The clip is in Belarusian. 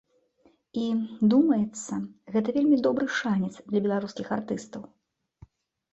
І, думаецца, гэта вельмі добры шанец для беларускіх артыстаў.